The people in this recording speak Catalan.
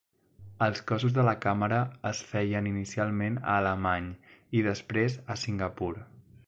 Els cossos de la càmera es feien inicialment a Alemany i després, a Singapur.